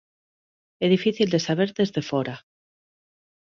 É difícil de saber desde fóra.